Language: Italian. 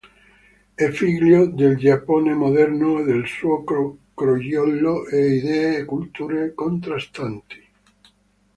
È figlio del Giappone moderno e del suo crogiolo di idee e culture contrastanti.